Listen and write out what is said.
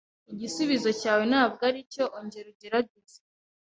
Igisubizo cyawe ntabwo aricyo. Ongera ugerageze.